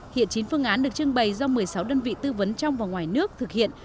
hiện chín phương án được trưng bày do một mươi sáu đơn vị tư vấn trong và ngoài nước thực hiện